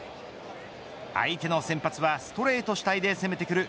相手の先発はストレート主体で攻めてくる。